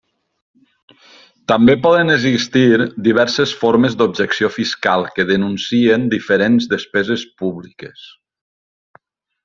També poden existir diverses formes d'objecció fiscal que denuncien diferents despeses públiques.